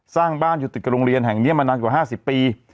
สร้างบ้านอยู่ติดกับโรงเรียนแห่งนี้มานานกว่า๕๐ปี